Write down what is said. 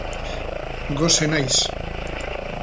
Gose naiz.